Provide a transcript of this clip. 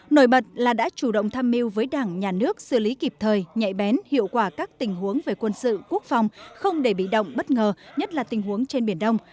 nổi bật là đã chủ động tham mưu với đảng nhà nước xử lý kịp thời nhạy bén hiệu quả các tình huống về quân sự quốc phòng không để bị động bất ngờ nhất là tình huống trên biển đông